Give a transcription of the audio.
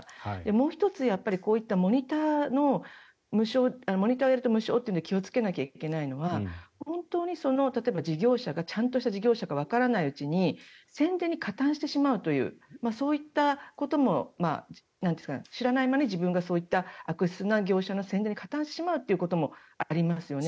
もう１つ、こういったモニターをやると無償というので気をつけなきゃいけないのは本当に例えばその事業者がちゃんとした事業者かわからないうちに宣伝に加担してしまうというそういったことも知らない間に自分がそういった悪質な業者の宣伝に加担してしまうこともありますよね。